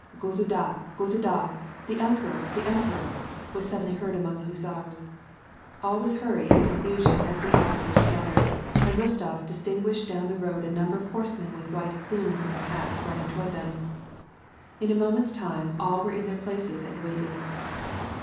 " Gosuddr ! gosxidar !— the emperor \ the emperor !" was suddenly heard among the hussars. All was hurry and con fusion as the officers scattered, and Eostof distinguished down the road a number of horsemen with white plumes in their hats riding toward them. In a moment's time, all were in their places and waiting.